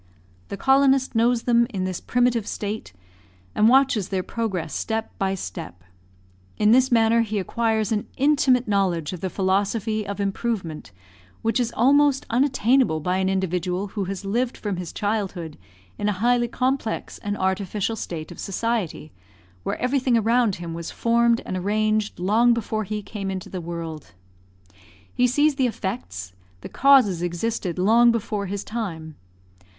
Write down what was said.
The colonist knows them in this primitive state, and watches their progress step by step. In this manner he acquires an intimate knowledge of the philosophy of improvement, which is almost unattainable by an individual who has lived from his childhood in a highly complex and artificial state of society, where everything around him was formed and arranged long before he came into the world; he sees the effects, the causes existed long before his time.